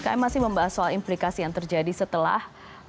kami masih membahas soal implikasi yang terjadi setelah